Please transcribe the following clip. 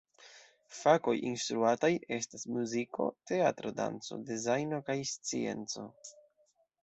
Fakoj instruataj estas muziko, teatro, danco, dezajno kaj scienco.